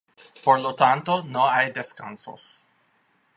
Por lo tanto, no hay descensos.